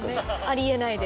「あり得ない」で。